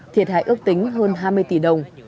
thiệt hại ước tính hơn hai mươi tỷ đồng